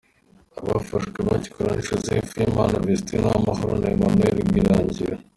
Abafashwe babikora ni Joseph Uwimana, Vestine Uwamahoro na Emmanuel Rwirangira.